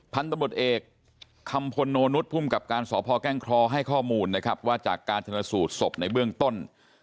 พันธบทเอกคำพลโนนุษย์ภูมิกับการสพแก้งคลอให้ข้อมูลนะครับว่าจากการชนสูตรศพในเบื้องต้น